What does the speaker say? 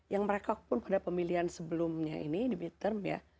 yang mereka pun pada pemilihan sebelumnya ini di bid term ya